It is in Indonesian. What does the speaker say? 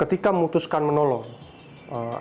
ketika kamu mengutuskan untuk membantu